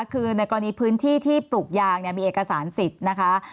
คือในกรณีพื้นที่ที่ปลูกยางมีเอกสารสิทธิ์นะคะ